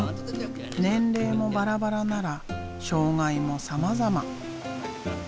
年齢もバラバラなら障害もさまざま。